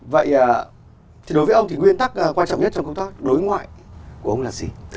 vậy đối với ông nguyên tắc quan trọng nhất trong công tác đối ngoại của ông là